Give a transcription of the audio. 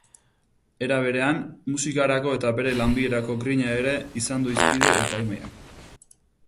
Era berean, musikarako eta bere lanbiderako grina ere izan du hizpide epaimahaiak.